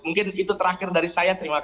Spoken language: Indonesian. mungkin itu terakhir dari saya terima